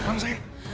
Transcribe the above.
ada bangsa ya